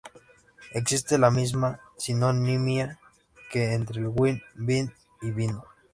Existe la misma sinonimia que entre el "wine", "vin" y "vino".